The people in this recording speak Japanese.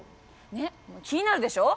ねっ気になるでしょ。